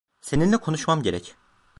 Seninle konuşmam gerek.